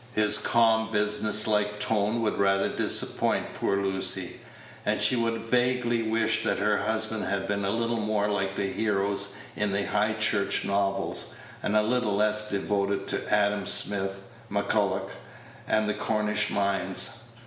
His calm business like tone would rather disappoint poor Lucy, and she would vaguely wish that her husband had been a little more like the heroes in the High Church novels, and a little less devoted to Adam Smith, McCulloch, and the Cornish mines.